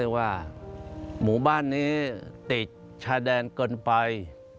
ว่าหมู่บ้านนี้ติดชายแดนเกินไป